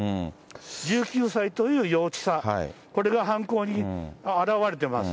１９歳という幼稚さ、これが犯行に表れてます。